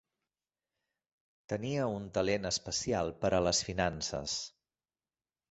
Tenia un talent especial per a les finances.